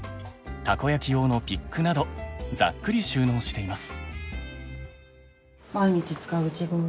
たこ焼き用のピックなどざっくり収納しています。